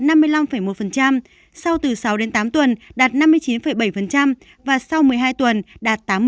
sau khi tiêm mũi hai dưới sáu tuần đạt năm mươi năm một sau từ sáu đến tám tuần đạt năm mươi chín bảy và sau một mươi hai tuần đạt tám mươi